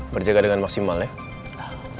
berjaga dengan maksimal ya